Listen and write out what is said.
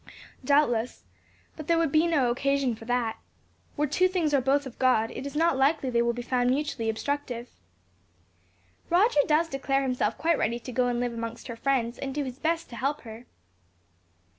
"Doubtless. But there would be no occasion for that. Where two things are both of God, it is not likely they will be found mutually obstructive." "Roger does declare himself quite ready to go and live amongst her friends, and do his best to help her."